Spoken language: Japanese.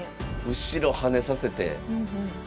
後ろ跳ねさせて。